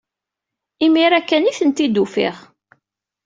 Imir-a kan ay tent-id-ufiɣ.